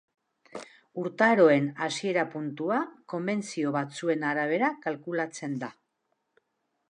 Urtaroen hasiera puntua konbentzio batzuen arabera kalkulatzen da.